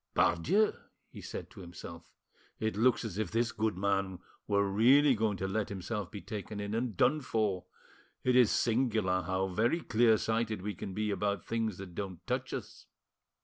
"Pardieu!" he said to himself, "it looks as if this good man were really going to let himself be taken in and done for. It is singular how very clear sighted we can be about things that don't touch us.